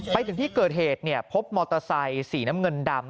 ไปถึงที่เกิดเหตุพบมอเตอร์ไซค์สีน้ำเงินดำ